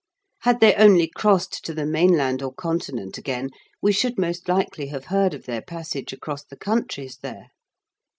Had they only crossed to the mainland or continent again, we should most likely have heard of their passage across the countries there.